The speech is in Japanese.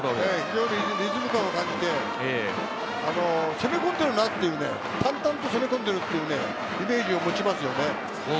リズム感を感じて攻め込んでるなって、淡々と攻め込んでいるイメージを持ちますよね。